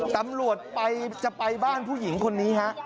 ตำรวจจะไปบ้านผู้หญิงคนนี้ฮะ